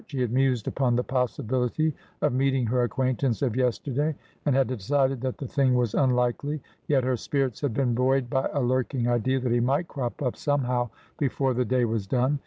She had mused upon the possibility of meeting her acquaintance of yesterday, ^'l*^, decided that the thing was unlikely. Yet her spirits had been buoyed by a lurking idea that he might crop up somehow beiore the day was done.